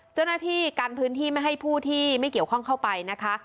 เจ้าหน้าที่กันพื้นที่ไม่ให้ผู้ที่ไม่เกี่ยวข้องเข้าไปนะคะ